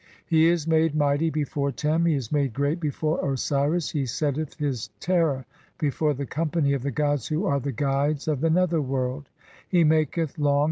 He is made mighty before Tern ; he is made great before Osiris ; he setteth his terror before the company of the gods who are the guides of the netherworld ; he maketh long